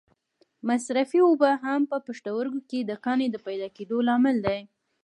مصرفې اوبه هم په پښتورګو کې د کاڼې د پیدا کېدو لامل دي.